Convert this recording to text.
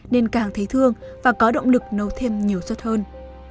nên càng thấy thương và có động lực nấu thêm nhiều suất hơn